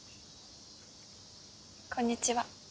こんにちは。